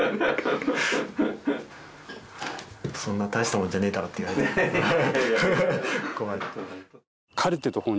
そんな大したもんじゃねえだろうって言われてハハハ！